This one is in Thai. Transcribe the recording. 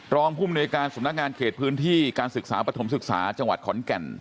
ภูมิหน่วยการสำนักงานเขตพื้นที่การศึกษาปฐมศึกษาจังหวัดขอนแก่น